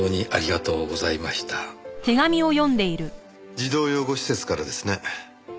児童養護施設からですね。